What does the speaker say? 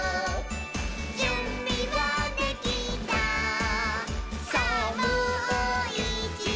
「じゅんびはできたさぁもういちど」